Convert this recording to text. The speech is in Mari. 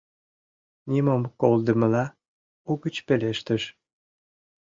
Нимом колдымыла угыч пелештыш: